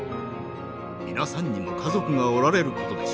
皆さんにも家族がおられる事でしょう。